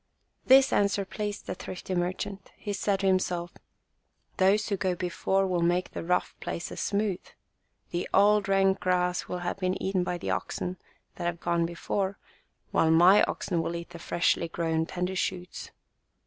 This answer pleased the thrifty merchant. He said to himself, "Those who go before will make the rough places smooth. The old rank grass will have been eaten by the oxen that have gone before, while my oxen will eat the freshly grown tender shoots.